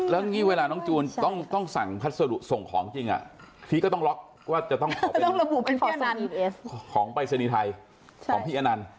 แล้วงี้เวลาน้องจูนต้องสั่งพัดสรุปส่งของจริงอ่ะพี่ก็ต้องล็อคว่าจะต้องขอของไปเสนียไทยของพี่อนันต์